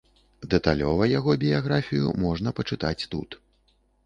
Дэталёва яго біяграфію можна пачытаць тут.